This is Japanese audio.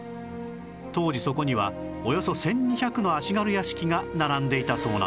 当時そこにはおよそ１２００の足軽屋敷が並んでいたそうなんです